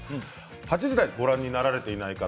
８時台をご覧になられていない方